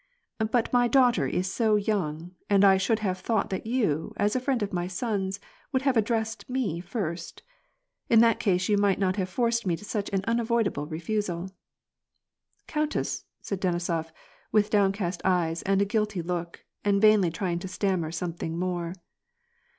"But my daughter is so young, and I should have thought that you, as a friend of my son's, would have addressed me first. In that case you might not have forced me to such an unavoidable refusal." " Countess," said Denisof, with downcast eyes, and a guilty look, and vainly trying to stammer something more.